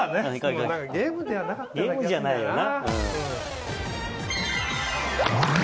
ゲームじゃないよな。